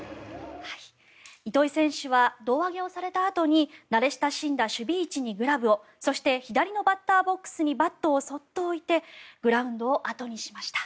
糸井選手は胴上げをされたあとに慣れ親しんだ守備位置にグラブをそして、左のバッターボックスにバットをそっと置いてグラウンドを後にしました。